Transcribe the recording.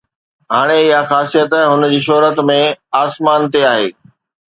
هاڻي اها خاصيت هن جي شهرت ۾ آسمان تي آهي